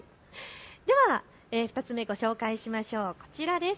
では２つ目、ご紹介しましょう。